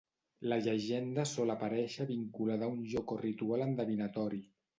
La llegenda sol aparèixer vinculada a un joc o ritual endevinatori.